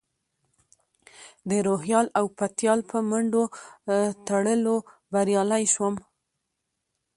د روهیال او پتیال په منډو ترړو بریالی شوم.